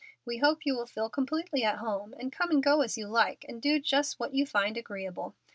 "We hope you will feel completely at home, and come and go as you like, and do just what you find agreeable.